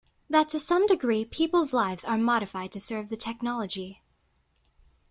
That to some degree peoples lives are modified to serve the technology.